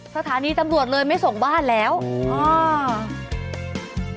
สถานีตำรวจเลยไม่ส่งบ้านแล้วอ่า